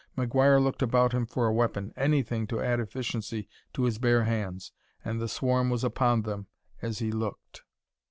McGuire looked about him for a weapon anything to add efficiency to his bare hands and the swarm was upon them as he looked.